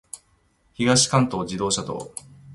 東関東自動車道